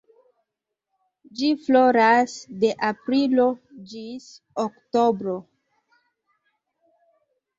Ĝi floras de aprilo ĝis oktobro.